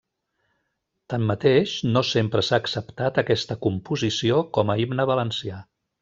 Tanmateix, no sempre s'ha acceptat aquesta composició com a himne valencià.